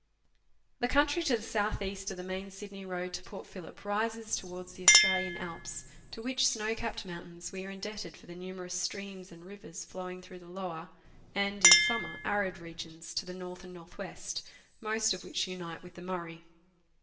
The country to the south east of the main Sydney road to Port Phillip rises towards the Australian Alps, to which snow capped mountains we are indebted for the numerous streams and rivers flowing through the lower and (in summer) arid regions to the north and north west, most of which unite with the Murray.